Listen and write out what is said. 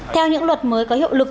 theo những luật mới có hiệu lực